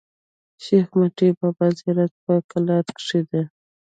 شېخ متي بابا زیارت په کلات کښي دﺉ.